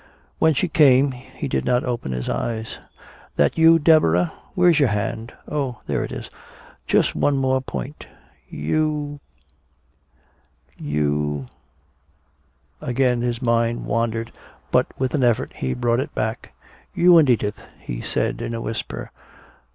When she came, he did not open his eyes. "That you, Deborah? Where's your hand?... Oh there it is. Just one more point. You you " Again his mind wandered, but with an effort he brought it back. "You and Edith," he said in a whisper.